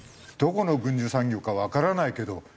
どこの軍需産業かわからないけど。